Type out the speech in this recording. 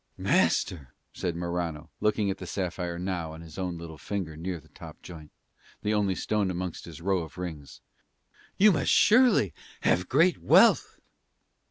"Master," said Morano looking at the sapphire now on his own little finger near the top joint, the only stone amongst his row of rings, "you must surely have great wealth."